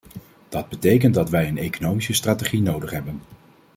Dat betekent dat wij een economische strategie nodig hebben.